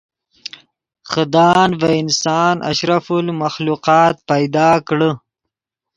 خدآن ڤے انسان اشرف المخلوقات پیدا کڑے